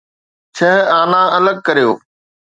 ڇهه آنا الڳ ڪريو.